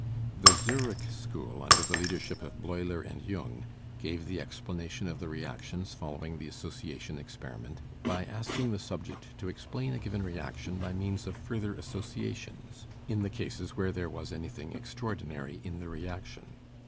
The Zurich School under the leadership of Bleuler and Jung, gave the explanation of the reactions following the association experiment, by asking the subject to explain a given reaction by means of further associations, in the cases where there was anything extraordinary in the reaction.